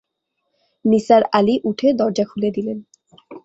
নিসার আলি উঠে দরজা খুলে দিলেন।